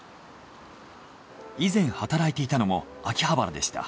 以前働いていたのも秋葉原でした。